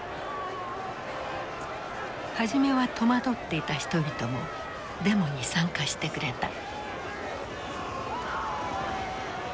初めは戸惑っていた人々もデモに参加してくれた。